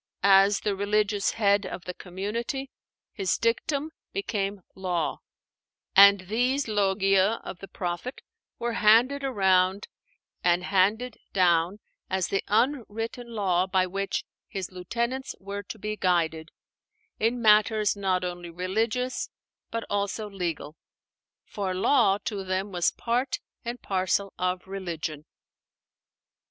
As the religious head of the community, his dictum became law; and these logia of the Prophet were handed around and handed down as the unwritten law by which his lieutenants were to be guided, in matters not only religious, but also legal. For "law" to them was part and parcel of "religion."